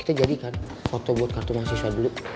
kita jadikan foto buat kartu mahasiswa dulu